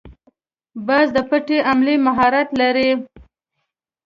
باز د پټې حملې مهارت لري